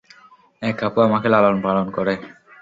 এক আপু আমাকে লালন-পালন করে।